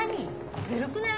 ずるくない？